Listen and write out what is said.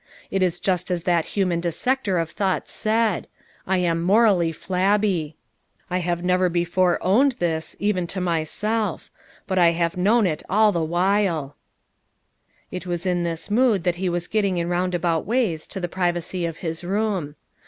It is just as that human dissector of thoughts said: I am 'morally flahhy.' I have never before owned this, even to myself, but I have known it all the while," It was in this mood that ho was get ting in roundabout ways to the privacy of his room.